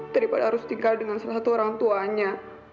daripada harus tinggal dengan salah satu orang tuanya